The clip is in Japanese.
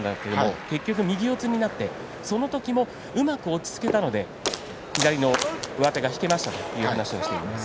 結局、右四つになってその時もうまく落ち着けたので左の上手が引けましたという話をしていました。